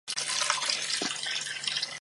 妳不要再去那里了